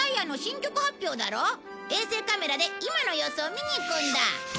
衛星カメラで今の様子を見に行くんだ。